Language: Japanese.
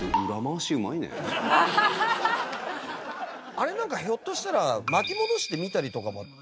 あれなんかひょっとしたら巻き戻して見たりとかも。